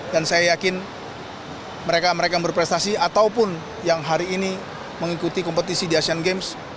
dan saya yakin mereka mereka yang berprestasi ataupun yang hari ini mengikuti kompetisi di asian games